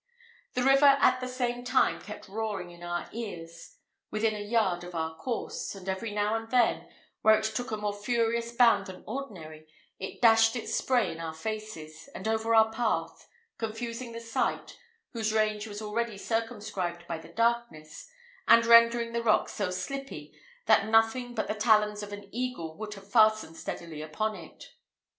The river at the same time kept roaring in our ears, within a yard of our course; and every now and then, where it took a more furious bound than ordinary, it dashed its spray in our faces, and over our path, confusing the sight, whose range was already circumscribed by the darkness, and rendering the rock so slippy that nothing but the talons of an eagle would have fastened steadily upon it.